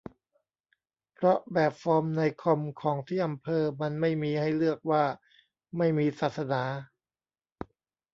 เพราะแบบฟอร์มในคอมของที่อำเภอมันไม่มีให้เลือกว่าไม่มีศาสนา